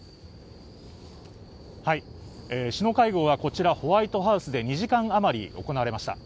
首脳会合はこちら、ホワイトハウスで２時間あまり行われました。